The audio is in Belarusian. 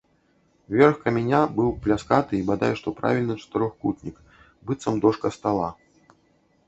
Верх каменя быў пляскаты і бадай што правільны чатырохкутнік, быццам дошка стала.